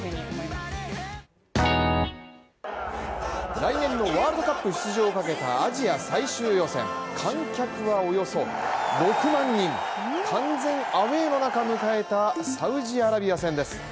来年のワールドカップ出場をかけたアジア最終予選観客はおよそ６万人、完全アウェーの中迎えたサウジアラビア戦です。